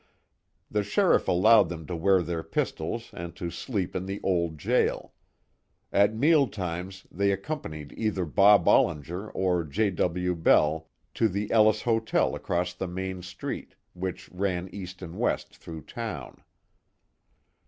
The Sheriff allowed them to wear their pistols and to sleep in the old jail. At meal times they accompanied either Bob Ollinger or J. W. Bell, to the Ellis Hotel across the main street, which ran east and west through town.